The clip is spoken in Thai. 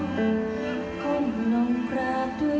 ทว่าอนาคต